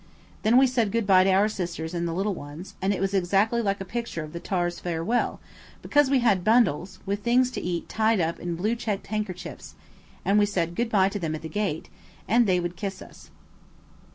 Then we said goodbye to our sisters and the little ones, and it was exactly like a picture of the "Tar's Farewell," because we had bundles, with things to eat tied up in blue checked handkerchiefs, and we said goodbye to them at the gate, and they would kiss us.